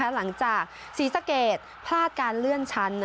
หลังจากศรีสะเกดพลาดการเลื่อนชั้น